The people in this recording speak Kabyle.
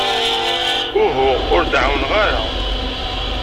Uhu, ur d-ɛawneɣ ara.